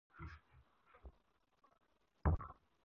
خاطرات به یې په انګرېزي لیکلي وي.